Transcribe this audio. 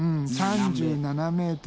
３７ｍ。